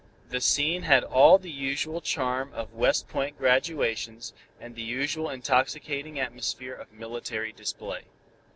The scene had all the usual charm of West Point graduations, and the usual intoxicating atmosphere of military display.